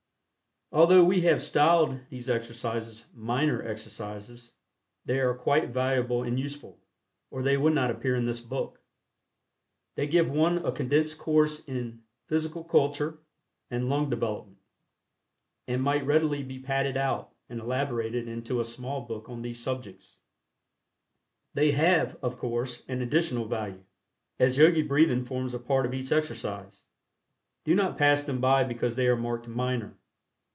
Although we have styled these exercises "minor exercises," they are quite valuable and useful, or they would not appear in this book. They give one a condensed course in "Physical Culture" and "Lung Development," and might readily be "padded out" and elaborated into a small book on these subjects. They have, of course, an additional value, as Yogi Breathing forms a part of each exercise. Do not pass them by because they are marked "minor."